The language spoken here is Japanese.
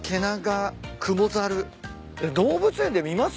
動物園で見ます？